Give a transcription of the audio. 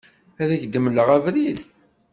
Ad ak-d-mleɣ abrid.